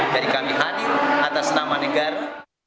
kami hadir atas nama negara